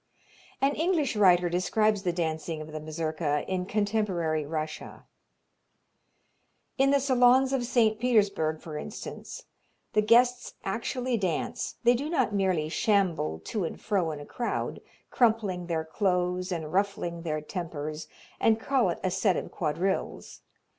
An English writer describes the dancing of the Mazurka in contemporary Russia: In the salons of St. Petersburg, for instance, the guests actually dance; they do not merely shamble to and fro in a crowd, crumpling their clothes and ruffling their tempers, and call it a set of quadrilles.